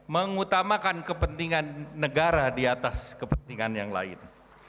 mengutamakan kepentingan negara di atas kepentingan yang lain